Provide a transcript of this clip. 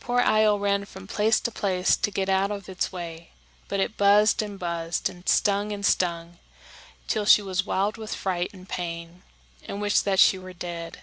Poor Io ran from place to place to get out of its way; but it buzzed and buzzed, and stung and stung, till she was wild with fright and pain, and wished that she were dead.